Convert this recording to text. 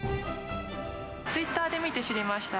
ツイッターで見て知りました。